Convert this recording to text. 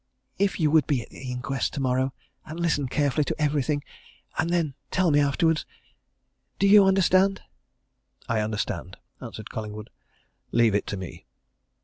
"If you would be at the inquest tomorrow, and listen carefully to everything and then tell me afterwards do you understand?" "I understand," answered Collingwood. "Leave it to me."